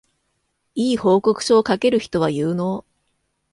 良い報告書を書ける人は有能